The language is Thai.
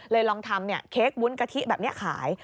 ลองทำเค้กวุ้นกะทิแบบนี้ขาย